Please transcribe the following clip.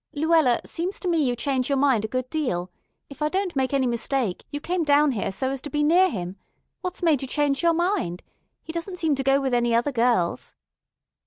"Luella, seems to me you change your mind a good deal. If I don't make any mistake, you came down here so's to be near him. What's made you change your mind? He doesn't seem to go with any other girls."